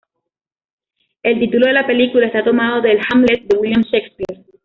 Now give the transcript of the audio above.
El título de la película está tomado del "Hamlet" de William Shakespeare.